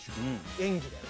演技だよね。